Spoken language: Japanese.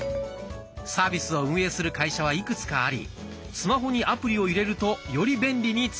サービスを運営する会社はいくつかありスマホにアプリを入れるとより便利に使えます。